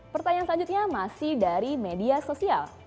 pertanyaan selanjutnya masih dari media sosial